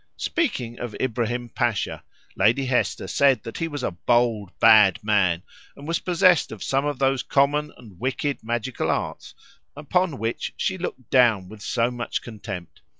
Speaking of Ibrahim Pasha, Lady Hester said that he was a bold, bad man, and was possessed of some of those common and wicked magical arts upon which she looked down with so much contempt.